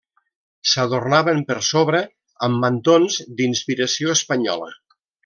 S'adornaven per sobre amb mantons d'inspiració espanyola.